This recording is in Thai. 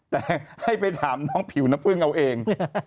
แต่ให้ไปถามน้องผิวน้ำพึ่งเอาเอง